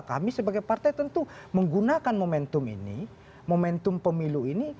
kami sebagai partai tentu menggunakan momentum ini momentum pemilu ini